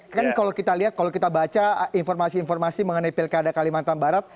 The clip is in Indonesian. kan kalau kita lihat kalau kita baca informasi informasi mengenai pilkada kalimantan barat